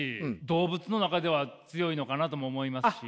動物の中では強いのかなとも思いますし。